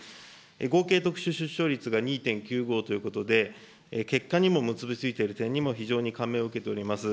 合計特殊出生率が２．９５ということで、結果にも結びついている点にも非常に感銘を受けております。